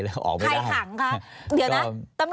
ใครถังคะเดี๋ยวนะตำรวจเข้าตลาดแล้วใครในตลาดค่ะ